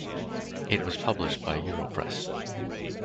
It was published by Europress.